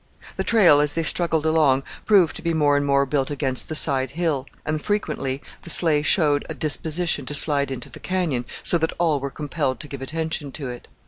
The trail, as they struggled along, proved to be more and more built against the side hill, and frequently the sleigh showed a disposition to slide into the canyon, so that all were compelled to give attention to it.